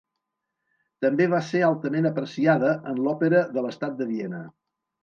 També va ser altament apreciada en l'Òpera de l'Estat de Viena.